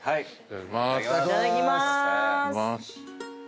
いただきます。